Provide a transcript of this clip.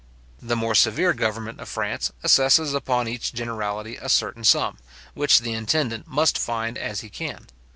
The more severe government of France assesses upon each generality a certain sum, which the intendant must find as he can.